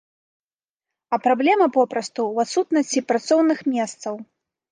А праблема папросту ў адсутнасці працоўных месцаў!